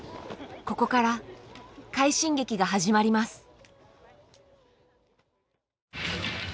ここから快進撃が始まります。